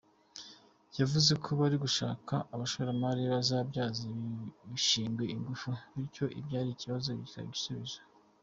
Yavuze ko bari gushaka abashoramari bazabyaza ibi bishingwe ingufu, bityo ibyari ikibazo bikaba igisubizo.